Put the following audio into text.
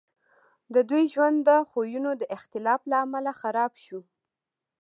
د دوی ژوند د خویونو د اختلاف له امله خراب شو